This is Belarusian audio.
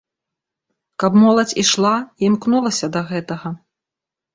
Каб моладзь ішла і імкнулася да гэтага.